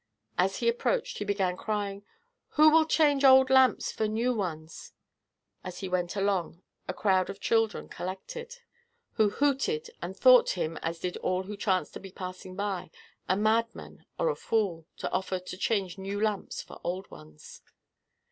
As he approached, he began crying, "Who will change old lamps for new ones?" As he went along, a crowd of children collected, who hooted, and thought him, as did all who chanced to be passing by, a madman or a fool, to offer to change new lamps for old ones.